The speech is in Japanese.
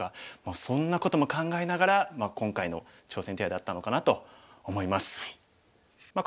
そんなことも考えながら今回の挑戦手合だったのかなと思います。